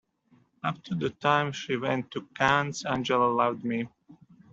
Up to the time she went to Cannes Angela loved me.